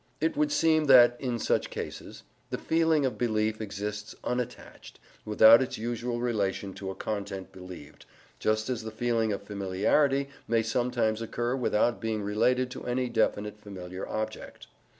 It would seem that, in such cases, the feeling of belief exists unattached, without its usual relation to a content believed, just as the feeling of familiarity may sometimes occur without being related to any definite familiar object.